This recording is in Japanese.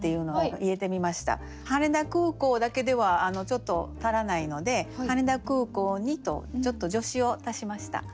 「羽田空港」だけではちょっと足らないので「羽田空港に」とちょっと助詞を足しました。